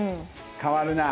変わるな。